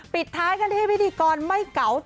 ปิดท้ายกันให้พี่ดีกรไม่เก่า